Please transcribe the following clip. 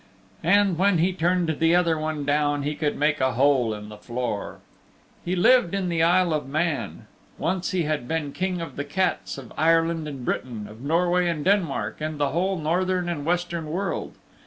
And when he turned the other one down he could make a hole in the floor. He lived in the Isle of Man. Once he had been King of the Cats of Ireland and Britain, of Norway and Denmark, and the whole Northern and Western World.